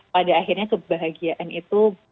pada akhirnya kebahagiaan itu